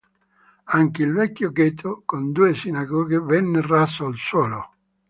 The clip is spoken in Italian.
Anche il vecchio Ghetto, con due sinagoghe, venne raso al suolo.